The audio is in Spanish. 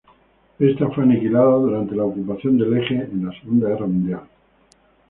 Esta fue aniquilada durante la ocupación del Eje en la Segunda Guerra Mundial.